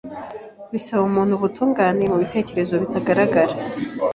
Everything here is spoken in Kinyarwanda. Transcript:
risaba umuntu ubutungane mu bitekerezo bitagaragara,